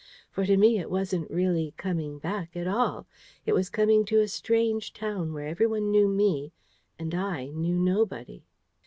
For to me, it wasn't really "coming back" at all: it was coming to a strange town, where everyone knew me, and I knew nobody.